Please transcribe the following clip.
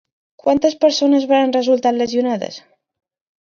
Quantes persones varen resultar lesionades?